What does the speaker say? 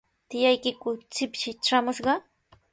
¿Tiyaykiku shipshi traamushqa?